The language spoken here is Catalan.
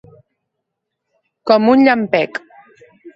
Com un llampec.